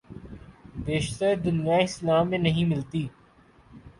بیشتر دنیائے اسلام میں نہیں ملتی۔